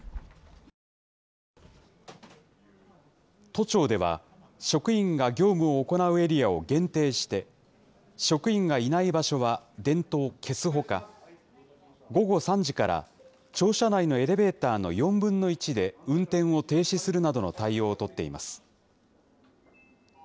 都庁では、職員が業務を行うエリアを限定して、職員がいない場所は電灯を消すほか、午後３時から庁舎内のエレベーターの４分の１で、運転を停止するなどの対応を取っています。